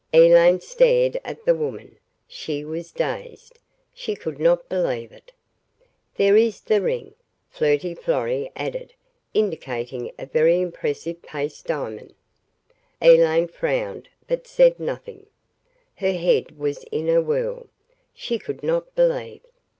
Elaine stared at the woman. She was dazed. She could not believe it. "There is the ring," Flirty Florrie added indicating a very impressive paste diamond. Elaine frowned but said nothing. Her head was in a whirl. She could not believe.